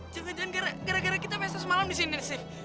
jangan jangan gara gara kita pesta semalam disini nih steve